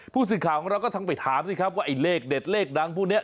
ผู้สื่อข่าวของเราก็ต้องไปถามสิครับว่าไอ้เลขเด็ดเลขดังพวกนี้